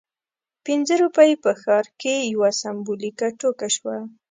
پنځه روپۍ په ښار کې یوه سمبولیکه ټوکه شوه.